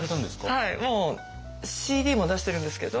もうＣＤも出してるんですけど。